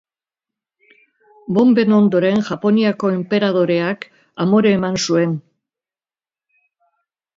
Bonben ondoren, Japoniako enperadoreak amore eman zuen.